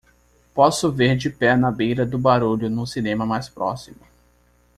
Posso ver De pé na beira do barulho no cinema mais próximo